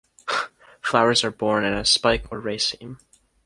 Flowers are borne in a spike or raceme.